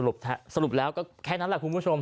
เมาสรุปแล้วก็แค่นั้นแหละผู้ชม